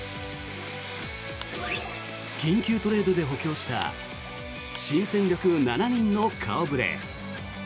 緊急トレードで補強した新戦力７人の顔触れ。